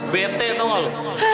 bete tau gak lo